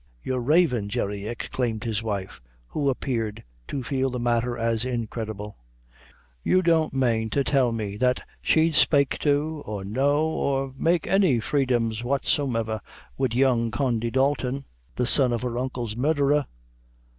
"You're ravin', Jerry," exclaimed his wife, who appeared to feel the matter as incredible; "you don't mane to tell me that she'd spake to, or know, or make any freedoms whatsomever wid young Condy Dalton, the son of her uncle's murdherer?